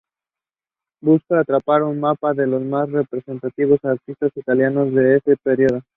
Buscaba trazar un mapa de los más representativos artistas italianos de ese período.